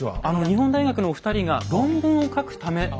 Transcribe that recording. あの日本大学のお二人が論文を書くため。